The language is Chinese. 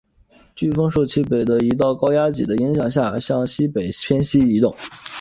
飓风受其以北的一道高压脊的影响下向西北偏西移动。